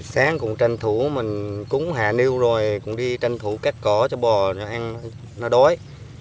sáng cũng tranh thủ mình cũng hạ niu rồi cũng đi tranh thủ cắt cỏ cho bò cho ăn nó đói